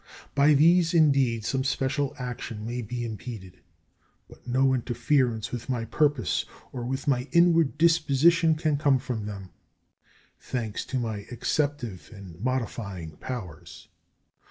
By these indeed some special action may be impeded, but no interference with my purpose or with my inward disposition can come from them, thanks to my exceptive and modifying powers.